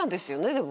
でも。